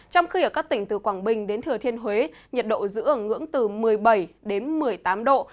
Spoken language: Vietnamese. trong khi ở các tỉnh từ quảng bình đến thừa thiên huế nhiệt độ giữ ở ngưỡng từ một mươi bảy đến một mươi tám độ